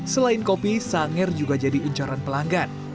selain kopi sanger juga jadi incaran pelanggan